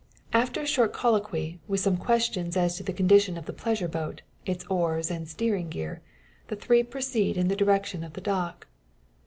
After a short colloquy, with some questions as to the condition of the pleasure boat, its oars, and steering gear, the three proceed in the direction of the dock.